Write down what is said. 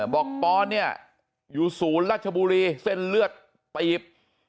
บอกปอนเนี่ยอยู่ศูนย์ราชบุรีเส้นเลือดตีบ๕๐๕๐